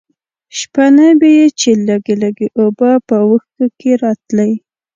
شپېنۍ به یې چې لږې لږې اوبه په وښکي کې راتلې.